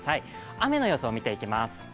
雨の予想を見ていきます。